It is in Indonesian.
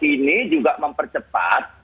ini juga mempercepat